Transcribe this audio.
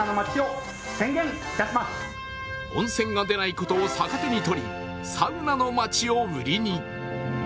温泉が出ないことを逆手に取り、サウナの町を売りに。